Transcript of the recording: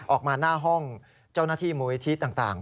ออกมาหน้าห้องเจ้าหน้าที่มูลนิธิต่าง